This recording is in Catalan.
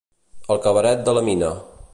El cabaret de la mina.